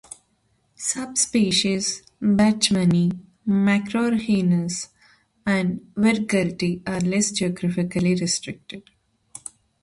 Subspecies "bachmani", "macrorhinus" and "virgulti" are less geographically restricted.